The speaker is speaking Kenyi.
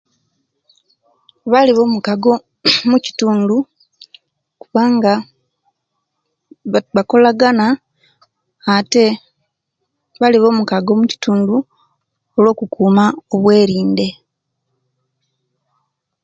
Bali ba mukwago huuu mukitundu kubanga ba bakolagana ate bali bamukwaago mukitundu olwo'kukuuma obwerinde